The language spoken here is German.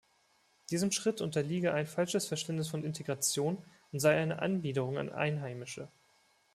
Diesem Schritt unterliege ein falsches Verständnis von Integration und sei eine Anbiederung an Einheimische.